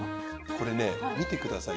これね見てください。